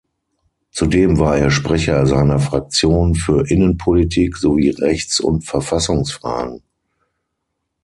Zudem war er Sprecher seiner Fraktion für Innenpolitik sowie Rechts- und Verfassungsfragen.